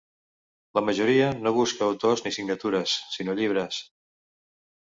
La majoria no busca autors ni signatures, sinó llibres.